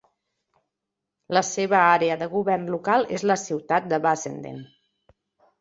La seva àrea de govern local és la ciutat de Bassendean.